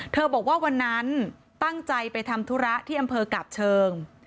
บอกว่าวันนั้นตั้งใจไปทำธุระที่อำเภอกาบเชิง